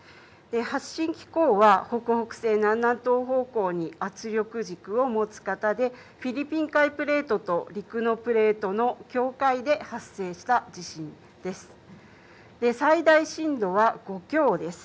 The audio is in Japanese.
発震機構は北北西、南南東方向に圧力軸を持ち、フィリピン海プレートと陸のプレートの境界で発生した地震です。